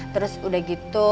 terus udah gitu